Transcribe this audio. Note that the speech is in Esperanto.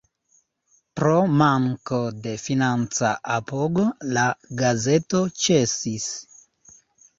Pro manko de financa apogo la gazeto ĉesis.